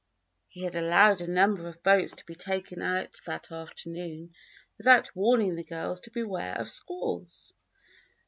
He had allowed a number of boats to be taken out that afternoon without warning the girls to beware of squalls.